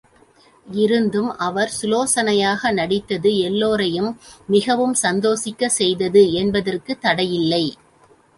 இருந்தும் அவர் சுலோசனையாக நடித்தது எல்லோரையும் மிகவும் சந்தோஷிக்கச் செய்தது என்பதற்குத் தடையில்லை.